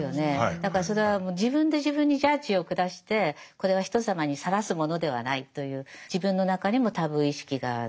だからそれは自分で自分にジャッジを下してこれは人様にさらすものではないという自分の中にもタブー意識がある。